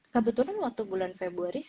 kebetulan waktu bulan februari